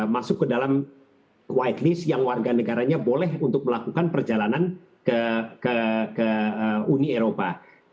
masuk ke dalam whitelist yang warga negaranya boleh untuk melakukan perjalanan ke uni eropa